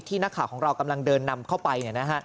นักข่าวของเรากำลังเดินนำเข้าไป